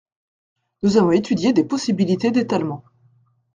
Nous avons étudié des possibilités d’étalement.